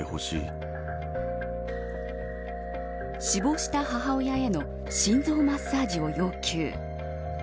死亡した母親への心臓マッサージを要求。